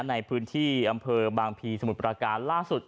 ในพื้นที่อำเภอบางพีสมุทรประการล่าสุด